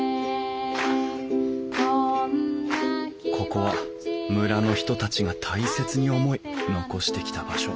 ここは村の人たちが大切に思い残してきた場所。